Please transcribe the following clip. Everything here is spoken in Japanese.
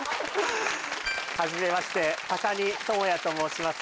初めまして高荷智也と申します